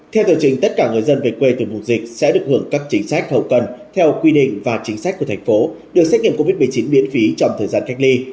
theo tờ trình tất cả người dân về quê từ mùa dịch sẽ được hưởng các chính sách hậu cần theo quy định và chính sách của thành phố được xét nghiệm covid một mươi chín miễn phí trong thời gian cách ly